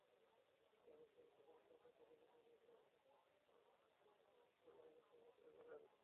এরপর পরীক্ষা-নিরীক্ষার জন্য রোগীদের সেসব রোগনির্ণয় কেন্দ্রে যেতে বাধ্য করা হয়।